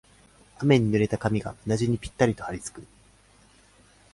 雨に濡れた髪がうなじにぴったりとはりつく